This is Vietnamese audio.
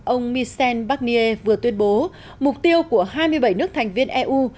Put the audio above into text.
ông michel barnier vừa tuyên bố mục tiêu của hai mươi bảy nước thành viên eu